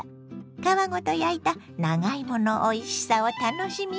皮ごと焼いた長芋のおいしさを楽しみます。